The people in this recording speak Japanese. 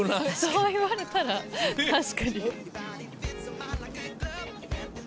そう言われたら確かに。